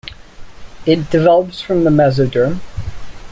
It develops from the mesoderm.